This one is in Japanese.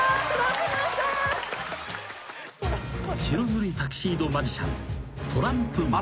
［白塗りタキシードマジシャン］